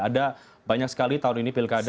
ada banyak sekali tahun ini pilkada